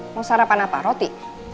mau sarapan apa roti